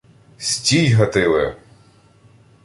— Стій, Гатиле!